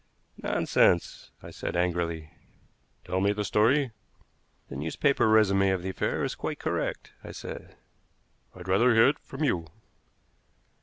"Nonsense," I said angrily. "Tell me the story." "The newspaper résumé of the affair is quite correct," I said. "I'd rather hear it from you."